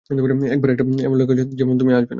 একবার তো এমনটা লেগেছে, যেমন তুমি আসবে না।